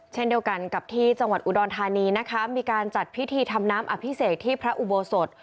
เช่นเดียวกันกับที่จังหวัดอุดรธานีนะคะมีการจัดพิธีทำน้ำอภิเษกที่พระอุโบสถ